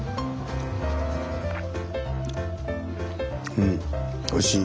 うんおいしい。